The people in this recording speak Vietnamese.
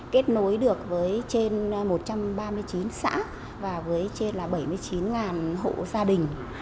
kết nối được với trên một trăm ba mươi chín xã và với trên là bảy mươi chín hộ gia đình